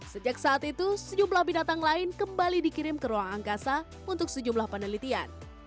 sejak saat itu sejumlah binatang lain kembali dikirim ke ruang angkasa untuk sejumlah penelitian